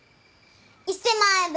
１，０００万円分！